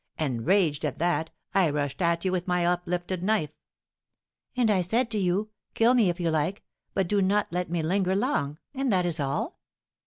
Enraged at that, I rushed at you with my uplifted knife " "And I said to you, 'Kill me, if you like, but do not let me linger long,' and that is all."